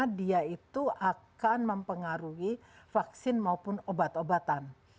karena dia itu akan mempengaruhi vaksin maupun obat obatan